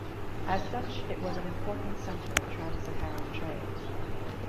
As such, it was an important centre of trans-Saharan trade.